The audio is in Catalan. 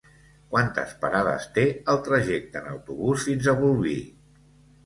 Quantes parades té el trajecte en autobús fins a Bolvir?